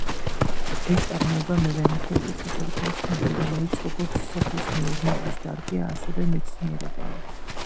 ეს წარმოება მევენახეობის სახელითაა ცნობილი, რომელიც როგორც სოფლის მეურნეობის დარგია, ასევე მეცნიერებაა.